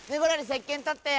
せっけんとってよ。